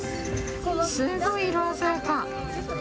すごい色鮮やか。